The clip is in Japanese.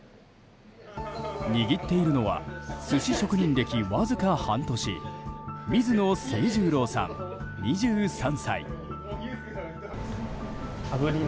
握っているのは寿司職人歴わずか半年水野勢十郎さん、２３歳。